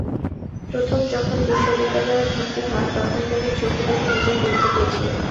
প্রথম যখন বিশ্ববিদ্যালয়ে ভর্তি হন, তখন তিনি চোখে দেখে নিজেই পরীক্ষা দিয়েছিলেন।